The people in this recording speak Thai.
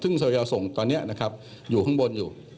ซึ่งซอยยาวส่งตอนนี้นะครับอยู่ข้างบนอยู่